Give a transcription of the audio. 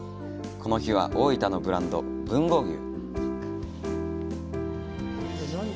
この日は大分のブランド・豊後牛。